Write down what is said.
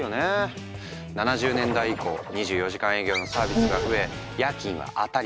７０年代以降２４時間営業のサービスが増え夜勤は当たり前。